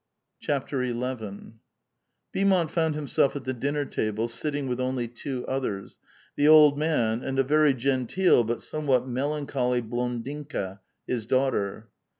XI. Beaumont found himself at the dinner table, sitting with only two others, the old man and a very genteel, but some what melancholy blondinka, his daughter.